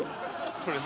これ何？